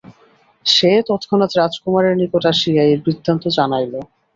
সে তৎক্ষণাৎ রাজকুমারের নিকটে আসিয়া এই বৃত্তান্ত জানাইল।